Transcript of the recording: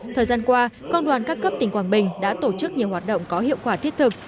thời gian qua công đoàn các cấp tỉnh quảng bình đã tổ chức nhiều hoạt động có hiệu quả thiết thực